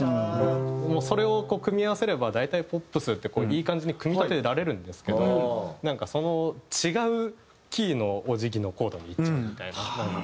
それを組み合わせれば大体ポップスっていい感じに組み立てられるんですけどなんかその違うキーのお辞儀のコードにいっちゃうみたいな。